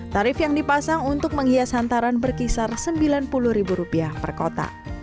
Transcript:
tarif yang dipasang untuk menghias hantaran berkisar rp sembilan puluh per kota